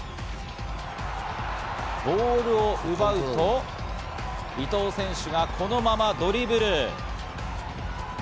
ボールを奪うと伊東選手がこのままドリブル。